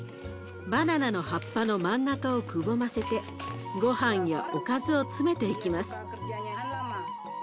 バナナの葉っぱの真ん中をくぼませてごはんやおかずを詰めていきます。